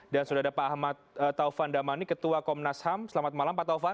dan sudah ada pak ahmad taufan damani ketua komnas ham selamat malam pak taufan